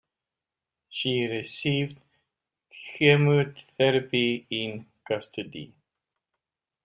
She received chemotherapy in custody.